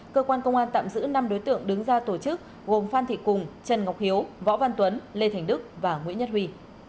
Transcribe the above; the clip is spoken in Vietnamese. cơ quan công an tạm giữ năm đối tượng đứng ra tổ chức gồm phan thị cùng trần ngọc hiếu võ văn tuấn lê thành đức và nguyễn nhất huy